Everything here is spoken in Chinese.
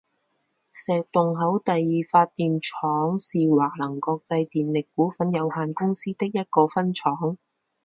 石洞口第二发电厂是华能国际电力股份有限公司的一个分厂。